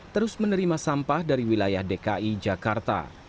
terus menerima sampah dari wilayah dki jakarta